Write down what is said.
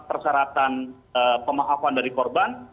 persyaratan pemahaman dari korban